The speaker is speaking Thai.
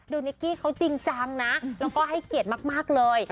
นิกกี้เขาจริงจังนะแล้วก็ให้เกียรติมากเลย